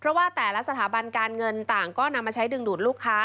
เพราะว่าแต่ละสถาบันการเงินต่างก็นำมาใช้ดึงดูดลูกค้า